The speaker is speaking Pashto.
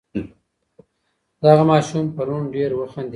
دغه ماشوم پرون ډېر وخندېدی.